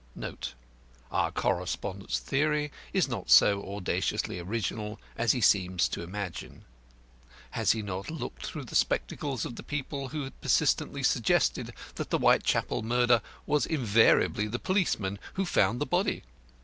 "[Our correspondent's theory is not so audaciously original as he seems to imagine. Has he not looked through the spectacles of the people who persistently suggested that the Whitechapel murderer was invariably the policeman who found the body?